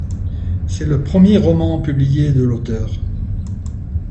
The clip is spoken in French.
C’est le premier roman publié de l'auteur.